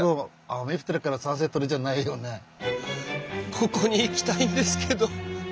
ここに行きたいんですけど。